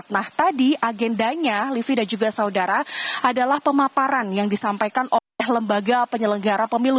nah tadi agendanya livi dan juga saudara adalah pemaparan yang disampaikan oleh lembaga penyelenggara pemilu